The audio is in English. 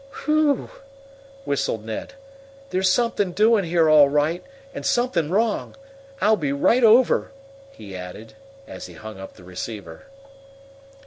"Whew!" whistled Ned. "There's something doing here, all right, and something wrong! I'll be right over!" he added, as he hung up the receiver.